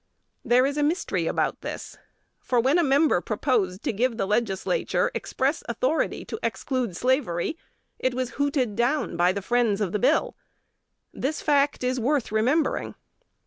There is a mystery about this; for, when a member proposed to give the Legislature express authority to exclude slavery, it was hooted down by the friends of the bill. This fact is worth remembering.